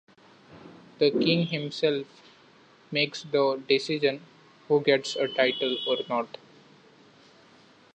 The king himself makes the decision who gets a title or not.